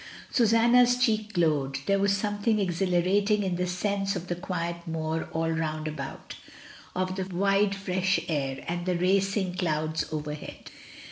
Susanna's cheeks glowed. There was something exhilarating in the sense of the quiet moor all round about, of the wide fresh air, and the racing clouds overhead.